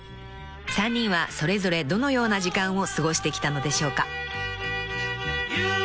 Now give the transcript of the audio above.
［３人はそれぞれどのような時間を過ごしてきたのでしょうか？］